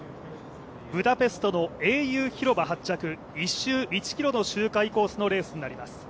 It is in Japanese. ブダペストの英雄広場発着１周１ｋｍの周回になります。